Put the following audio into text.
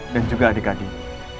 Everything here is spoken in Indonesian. dan juga adik adik